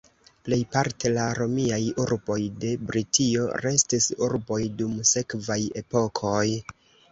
Plejparte la romiaj urboj de Britio restis urboj dum sekvaj epokoj.